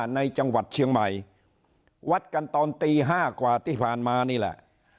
ในจังหวัดเชียงใหม่วัดกันตอนตี๕กว่าที่ผ่านมานี่แหละ